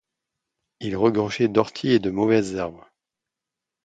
Il regorgeait d'orties et de mauvaises herbes.